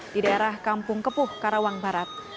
di daerah kampung kepuh karawang barat